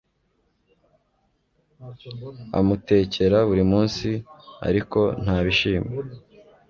amutekera buri munsi, ariko ntabishima